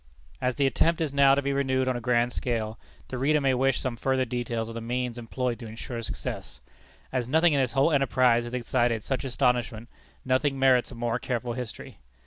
As the attempt is now to be renewed on a grand scale, the reader may wish some further details of the means employed to insure success. As nothing in this whole enterprise has excited such astonishment, nothing merits a more careful history.